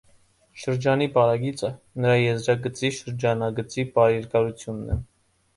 Շրջանի պարագիծը նրա եզրագծի՝ շրջանագծի երկարությունն է։